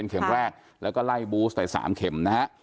เป็นเข็มแรกแล้วก็ไล่บูสใด๓เข็ม